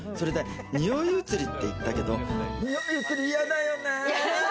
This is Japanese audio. におい移りって言ったけれど、におい移り、嫌だよね。